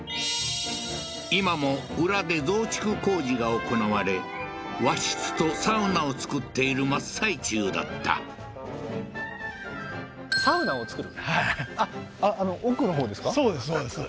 今も裏で増築工事が行われ和室とサウナを造っている真っ最中だったサウナを造る？